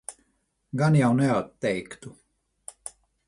Gan jau neatteiktu.